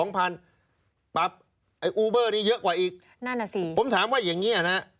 ปรับไอ้อูเบอร์นี้เยอะกว่าอีกนั่นอ่ะสิผมถามว่าอย่างเงี้ยนะ